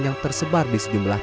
yang tersebar di sejumlahnya